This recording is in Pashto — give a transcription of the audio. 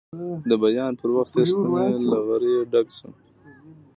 د بیان پر وخت یې ستونی له غریو ډک شو.